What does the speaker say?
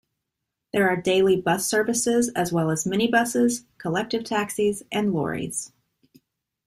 There are daily bus services as well as minibuses, collective taxis and lorries.